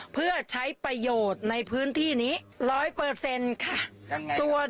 เพื่อใช้ประโยชน์ในพื้นที่นี้๑๐๐ค่ะ